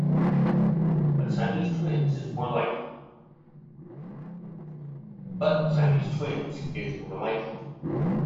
But Siamese twins is more like it.